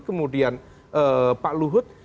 kemudian pak luhut